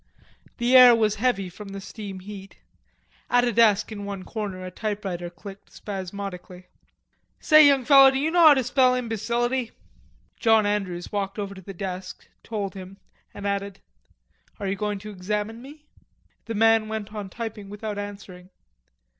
The air was heavy from the steam heat. At a desk in one corner a typewriter clicked spasmodically. "Say, young feller, d'you know how to spell imbecility?" John Andrews walked over to the desk, told him, and added, "Are you going to examine me?" The man went on typewriting without answering.